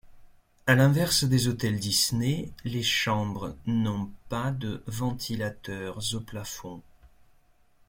À l'inverse des hôtels Disney, les chambres n'ont pas de ventilateurs au plafond.